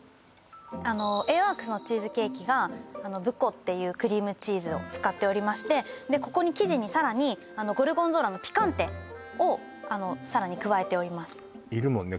あのＡＷＯＲＫＳのチーズケーキがＢＵＫＯっていうクリームチーズを使っておりましてここに生地にさらにゴルゴンゾーラのピカンテをさらに加えておりますいるもんね